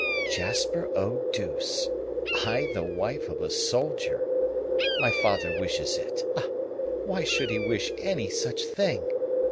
"Jasper Eau douce! I the wife of a soldier! My father wishes it! Why should he wish any such thing?